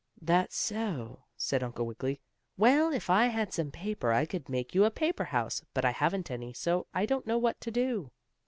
"That's so," said Uncle Wiggily. "Well, if I had some paper I could make you a paper house, but I haven't any, so I don't know what to do."